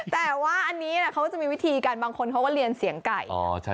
แต่ว่าอันนี้เขาก็จะมีวิธีการบางคนเขาก็เรียนเสียงไก่